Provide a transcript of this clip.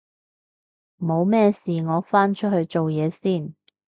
冇咩事我返出去做嘢先